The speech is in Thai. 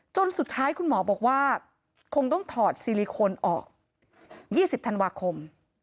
สุดท้ายคุณหมอบอกว่าคงต้องถอดซิลิโคนออก๒๐ธันวาคม